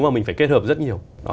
và mình phải kết hợp rất nhiều